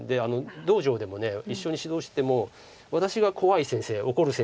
道場でも一緒に指導してても私が怖い先生怒る役で。